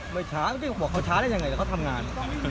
ไม่ช้าพี่บอกเขาช้าได้ยังไงเราก็ทำงาน